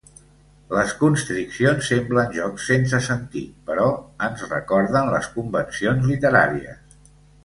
Les constriccions semblen jocs sense sentit, però ens recorden les convencions literàries.